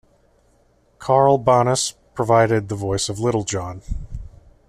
Carl Banas provided the voice of Little John.